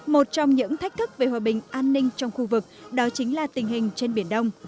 một trong những thách thức về hòa bình an ninh trong khu vực đó chính là tình hình trên biển đông